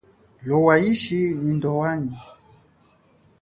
Lowa ishi nyi ndowanyi.